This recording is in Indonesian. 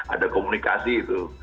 ada komunikasi itu